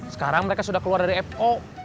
sekarang mereka sudah keluar dari po